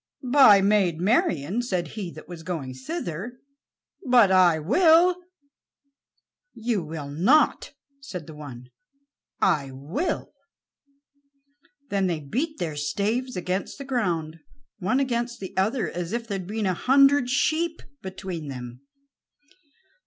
"By Maid Marian," said he that was going thither, "but I will." "You will not," said the one. "I will," said the other. Then they beat their staves against the ground one against the other, as if there had been a hundred sheep between them.